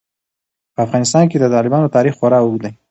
په افغانستان کې د تالابونو تاریخ خورا اوږد دی.